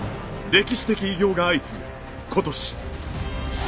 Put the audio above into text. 歴史的偉業が相次ぐ今年。